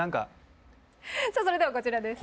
さあそれではこちらです。